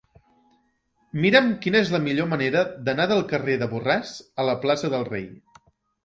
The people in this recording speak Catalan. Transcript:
Mira'm quina és la millor manera d'anar del carrer de Borràs a la plaça del Rei.